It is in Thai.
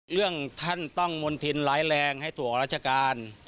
เรื่องท่านต้องมณฑินร้ายแรงให้ตัวราชการ